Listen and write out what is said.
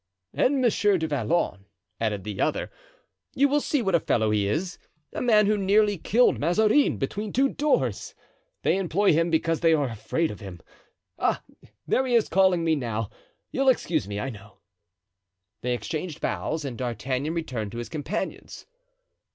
"And Monsieur du Vallon," added the other. "You will see what a fellow he is; a man who nearly killed Mazarin between two doors. They employ him because they are afraid of him. Ah, there he is calling me now. You'll excuse me, I know." They exchanged bows and D'Artagnan returned to his companions.